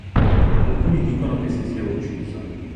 Alcuni dicono che si sia ucciso.